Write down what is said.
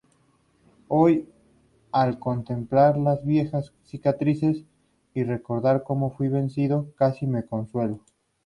hoy, al contemplar las viejas cicatrices y recordar cómo fuí vencido, casi me consuelo.